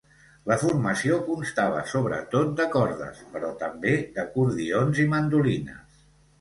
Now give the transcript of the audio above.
La formació constava sobretot de cordes, però també d'acordions i mandolines.